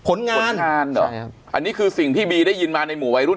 ผลงานผลงานเหรอใช่ครับอันนี้คือสิ่งที่บีได้ยินมาในหมู่วัยรุ่น